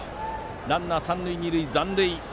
ランナーは三塁二塁と残塁。